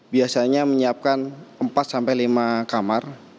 biasanya menyiapkan empat sampai lima kamar